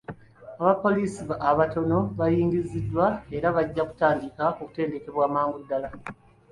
Abapoliisi abatono baayingiziddwa era bajja kutandika okutendekebwa amangu ddaala.